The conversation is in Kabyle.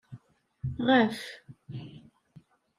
Ɣef.